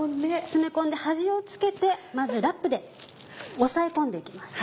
詰め込んで端をつけてまずラップでおさえ込んで行きます。